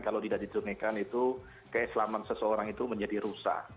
kalau tidak ditunikan keislaman seseorang itu menjadi rusak